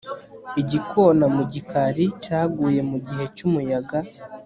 igikona mu gikari cyaguye mugihe cyumuyaga